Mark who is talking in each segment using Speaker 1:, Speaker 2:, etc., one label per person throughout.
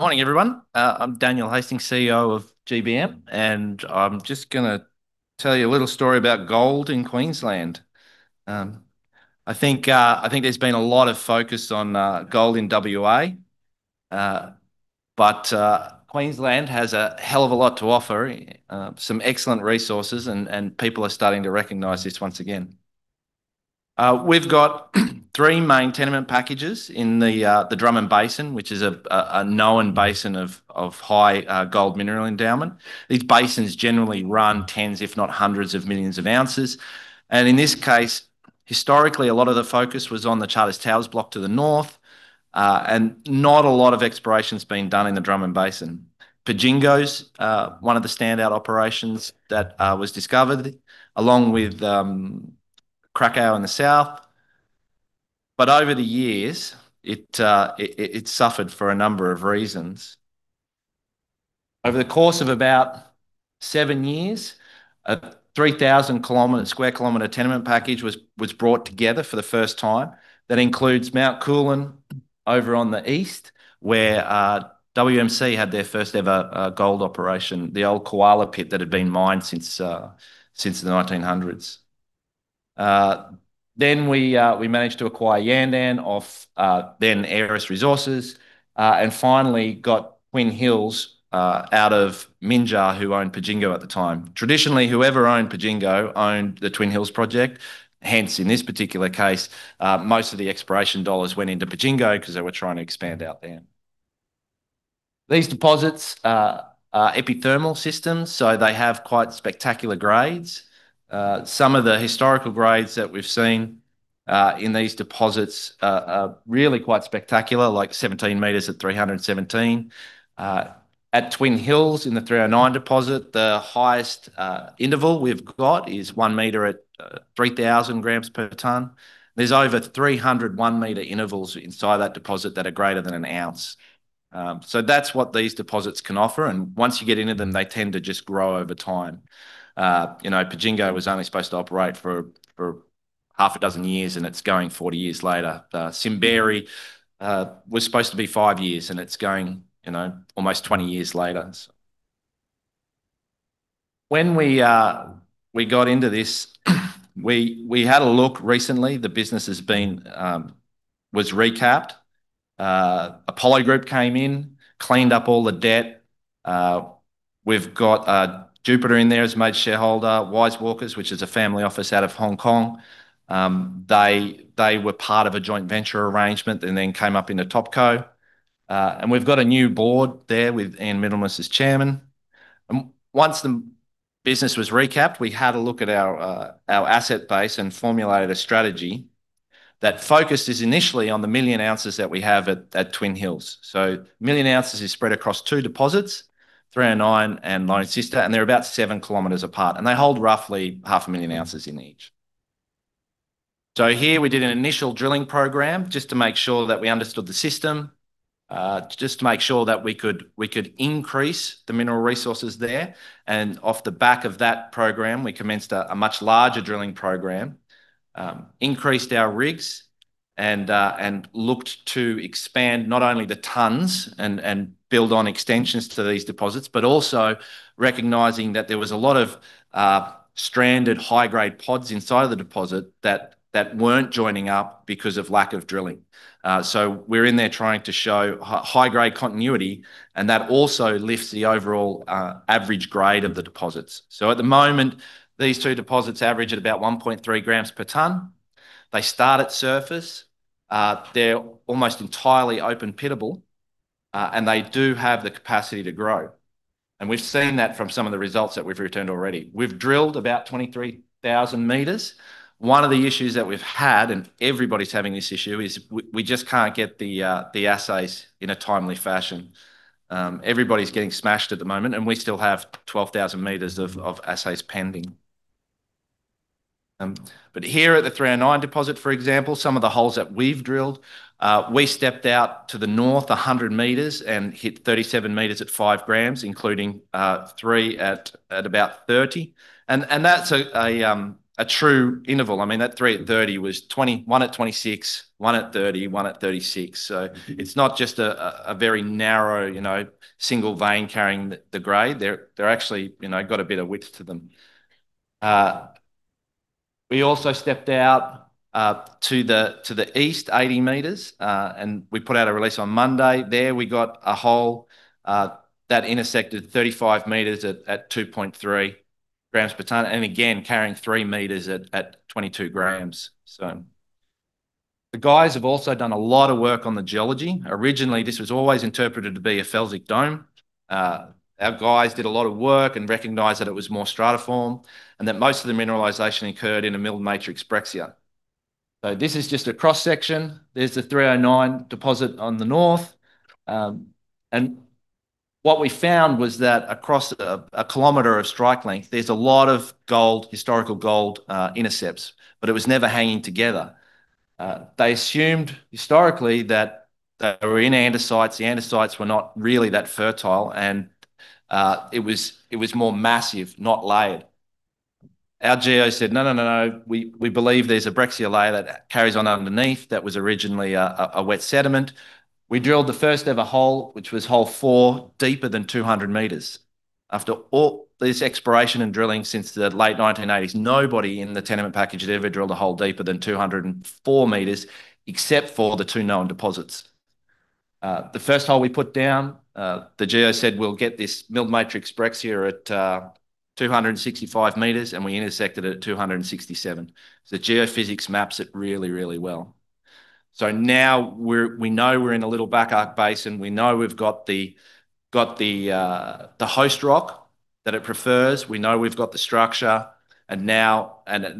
Speaker 1: Morning, everyone. I'm Daniel Hastings, CEO of GBM, and I'm just going to tell you a little story about gold in Queensland. I think there's been a lot of focus on gold in WA, but Queensland has a hell of a lot to offer, some excellent resources, and people are starting to recognize this once again. We've got three main tenement packages in the Drummond Basin, which is a known basin of high gold mineral endowment. These basins generally run tens, if not hundreds, of millions of ounces. In this case, historically, a lot of the focus was on the Charters Towers block to the North, and not a lot of exploration's been done in the Drummond Basin. Pajingo's one of the standout operations that was discovered, along with Cracow in the South. Over the years, it suffered for a number of reasons. Over the course of about seven years, a 3,000 sq km tenement package was brought together for the first time. That includes Mount Coolon over on the East, where WMC had their first ever gold operation, the old Koala pit that had been mined since the 1900s. Then we managed to acquire Yandan off then Aeris Resources. Finally got Twin Hills out of Minjar, who owned Pajingo at the time. Traditionally, whoever owned Pajingo owned the Twin Hills project, hence in this particular case, most of the exploration dollars went into Pajingo because they were trying to expand out there. These deposits are epithermal systems, so they have quite spectacular grades. Some of the historical grades that we've seen in these deposits are really quite spectacular, like 17 m at 317. At Twin Hills, in the 309 deposit, the highest interval we've got is 1 m at 3,000 g/ton. There's over 300 1 m intervals inside that deposit that are greater than an ounce. That's what these deposits can offer, and once you get into them, they tend to just grow over time. Pajingo was only supposed to operate for half a dozen years, and it's going 40 years later. Simberi was supposed to be five years, and it's going almost 20 years later. When we got into this, we had a look recently. The business was recapped. Apollo Group came in, cleaned up all the debt. We've got Jupiter in there as major shareholder, Wise Walkers, which is a family office out of Hong Kong. They were part of a joint venture arrangement, came up in the Topco. We've got a new board there with Ian Middlemas as Chairman. Once the business was recapped, we had a look at our asset base and formulated a strategy that focused initially on the million ounces that we have at Twin Hills. A million ounces is spread across two deposits, 309 and Lone Sister, and they're about 7 km apart, and they hold roughly half a million ounces in each. Here we did an initial drilling program just to make sure that we understood the system, just to make sure that we could increase the mineral resources there. Off the back of that program, we commenced a much larger drilling program, increased our rigs and looked to expand not only the tons and build on extensions to these deposits, but also recognizing that there was a lot of stranded high-grade pods inside the deposit that weren't joining up because of lack of drilling. We're in there trying to show high-grade continuity, and that also lifts the overall average grade of the deposits. At the moment, these two deposits average at about 1.3 g/ton. They start at surface. They're almost entirely open pitable. They do have the capacity to grow, and we've seen that from some of the results that we've returned already. We've drilled about 23,000 m. One of the issues that we've had, and everybody's having this issue, is we just can't get the assays in a timely fashion. Everybody's getting smashed at the moment, we still have 12,000 m of assays pending. Here at the 309 deposit, for example, some of the holes that we've drilled, we stepped out to the North 100 m and hit 37 m at 5 g, including 3 m at about 30 g. That's a true interval. I mean, that 3 m at 30 g was 1 m at 26 g, 1 m at 30 g, 1 m at 36 g. It's not just a very narrow single vein carrying the grade. They've actually got a bit of width to them. We also stepped out to the East 80 m, we put out a release on Monday. There we got a hole that intersected 35 m at 2.3 g/ton, and again, carrying 3 m at 22 g. The guys have also done a lot of work on the geology. Originally, this was always interpreted to be a felsic dome. Our guys did a lot of work and recognized that it was more stratiform and that most of the mineralization occurred in a milled matrix breccia. This is just a cross-section. There's the 309 deposit on the North. What we found was that across a kilometer of strike length, there's a lot of historical gold intercepts, but it was never hanging together. They assumed historically that they were in andesites. The andesites were not really that fertile, and it was more massive, not layered. Our geo said, no, no, no. We believe there's a breccia layer that carries on underneath that was originally a wet sediment. We drilled the first ever hole, which was hole four, deeper than 200 m. After all this exploration and drilling since the late 1980s, nobody in the tenement package had ever drilled a hole deeper than 204 m except for the two known deposits. The first hole we put down, the geo said we'll get this milled matrix breccia at 265 m, and we intersected it at 267 m. The geophysics maps it really, really well. Now we know we're in a little back-arc basin. We know we've got the host rock that it prefers. We know we've got the structure, and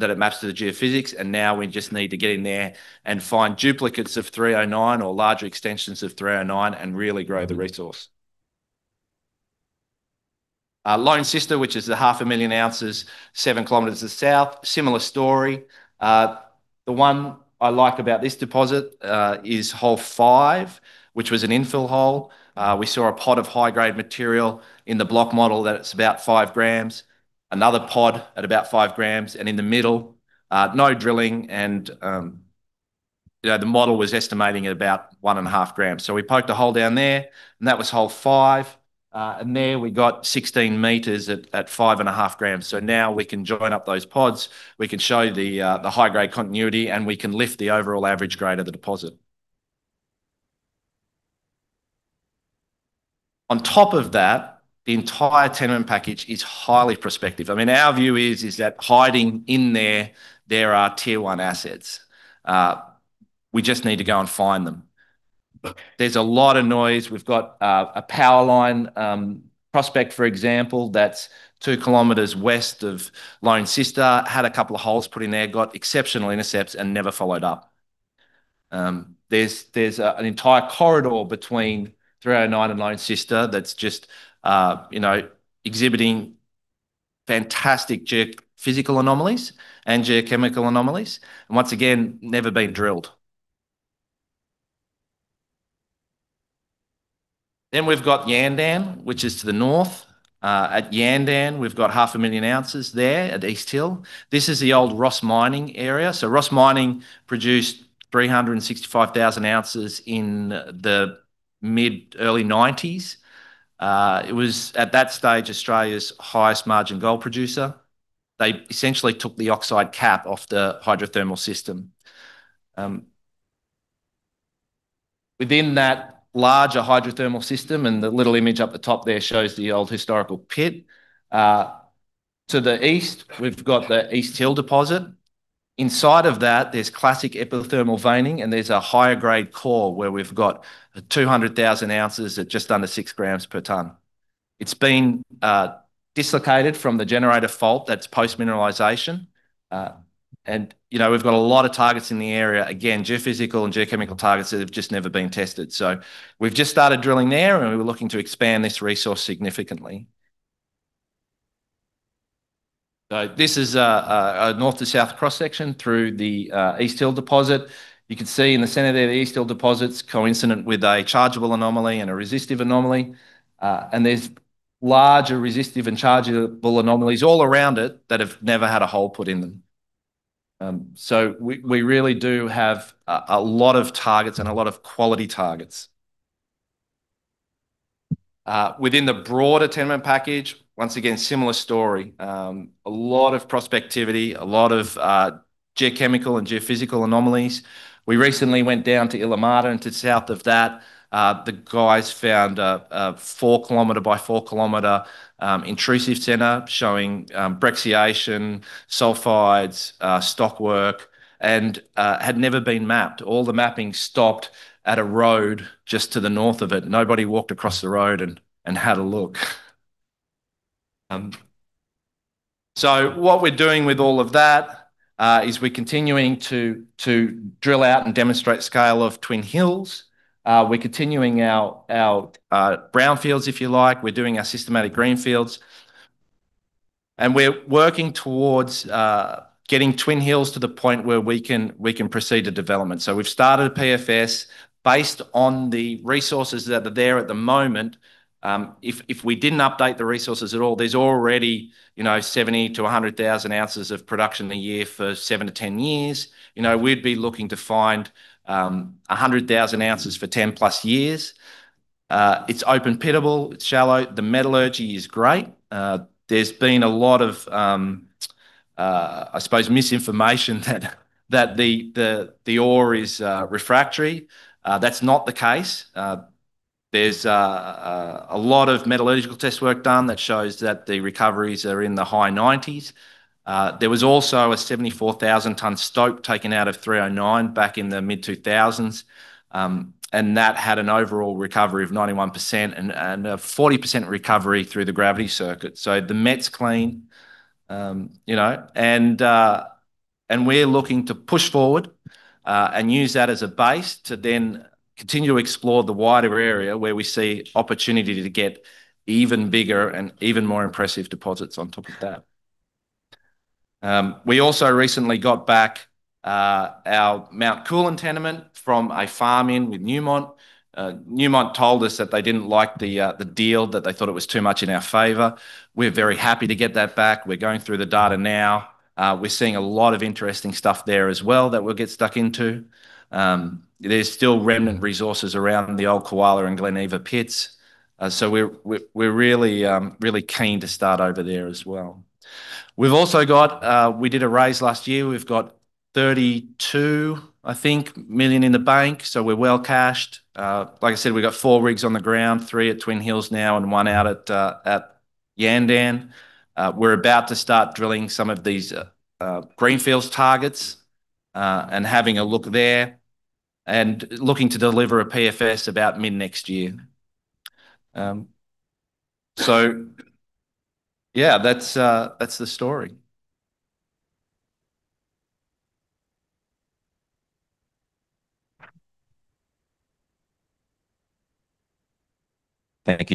Speaker 1: that it maps to the geophysics. Now we just need to get in there and find duplicates of 309 or larger extensions of 309 and really grow the resource. Lone Sister, which is the half a million ounces, 7 km to the South, similar story. The one I like about this deposit is hole five, which was an infill hole. We saw a pod of high-grade material in the block model that's about 5 g. Another pod at about 5 g. In the middle, no drilling and the model was estimating at about 1.5 g. We poked a hole down there, and that was hole five. There we got 16 m at 5.5 g. Now we can join up those pods. We can show the high-grade continuity, and we can lift the overall average grade of the deposit. On top of that, the entire tenement package is highly prospective. Our view is that hiding in there are Tier 1 assets. We just need to go and find them. There's a lot of noise. We've got a power line prospect, for example, that's 2 km West of Lone Sister. Had a couple of holes put in there, got exceptional intercepts, and never followed up. There's an entire corridor between 309 and Lone Sister that's just exhibiting fantastic geophysical anomalies and geochemical anomalies. Once again, never been drilled. We've got Yandan, which is to the North. At Yandan, we've got half a million ounces there at East Hill. This is the old Ross Mining area. Ross Mining produced 365,000 oz in the mid-early 1990s. It was at that stage, Australia's highest margin gold producer. They essentially took the oxide cap off the hydrothermal system. Within that larger hydrothermal system, the little image up the top there shows the old historical pit. To the East, we've got the East Hill deposit. Inside of that, there's classic epithermal veining, there's a higher grade core where we've got 200,000 oz at just under 6 g/ton. It's been dislocated from the generator fault that's post-mineralization. We've got a lot of targets in the area. Again, geophysical and geochemical targets that have just never been tested. We've just started drilling there, we were looking to expand this resource significantly. This is a North to South cross-section through the East Hill deposit. You can see in the center there, the East Hill deposit's coincident with a chargeability anomaly and a resistivity anomaly. There's larger resistivity and chargeability anomalies all around it that have never had a hole put in them. We really do have a lot of targets and a lot of quality targets. Within the broader tenement package, once again, similar story. A lot of prospectivity, a lot of geochemical and geophysical anomalies. We recently went down to Illamahta, to South of that, the guys found a 4 km by 4 km intrusive center showing brecciation, sulfides, stockwork, and had never been mapped. All the mapping stopped at a road just to the North of it. Nobody walked across the road and had a look. What we're doing with all of that is we're continuing to drill out and demonstrate scale of Twin Hills. We're continuing our brownfields, if you like. We're doing our systematic greenfields. We're working towards getting Twin Hills to the point where we can proceed to development. We've started a PFS based on the resources that are there at the moment. If we didn't update the resources at all, there's already 70,000 oz-100,000 oz of production a year for 7-10 years. We'd be looking to find 100,000 oz for 10+ years. It's open pitable. It's shallow. The metallurgy is great. There's been a lot of, I suppose, misinformation that the ore is refractory. That's not the case. There's a lot of metallurgical test work done that shows that the recoveries are in the high 90s. There was also a 74,000 ton stope taken out of 309 back in the mid-2000s. That had an overall recovery of 91% and a 40% recovery through the gravity circuit. The met's clean. We're looking to push forward, and use that as a base to then continue to explore the wider area where we see opportunity to get even bigger and even more impressive deposits on top of that. We also recently got back our Mount Coolon tenement from a farm-in with Newmont. Newmont told us that they didn't like the deal, that they thought it was too much in our favor. We're very happy to get that back. We're going through the data now. We're seeing a lot of interesting stuff there as well that we'll get stuck into. There's still remnant resources around the old Koala and Glen Eva pits. We're really keen to start over there as well. We did a raise last year. We've got 32 million in the bank, so we're well-cashed. Like I said, we've got four rigs on the ground, three at Twin Hills now and one out at Yandan. We're about to start drilling some of these greenfields targets, and having a look there and looking to deliver a PFS about mid-next year. Yeah, that's the story. Thank you